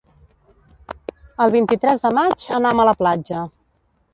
El vint-i-tres de maig anam a la platja.